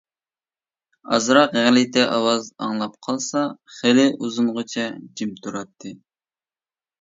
ئازراق غەلىتە ئاۋاز ئاڭلاپ قالسا خېلى ئۇزۇنغىچە جىم تۇراتتى.